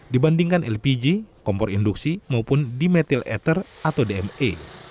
dibandingkan lpg kompor induksi maupun dimetil ether atau dme